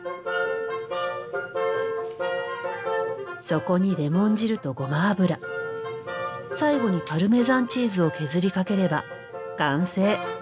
そこにレモン汁とごま油最後にパルメザンチーズを削りかければ完成。